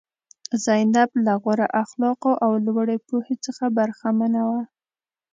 زینب له غوره اخلاقو او لوړې پوهې څخه برخمنه وه.